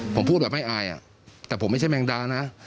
ผมพูดแบบไม่อายแต่ผมไม่ใช่แมงดานะ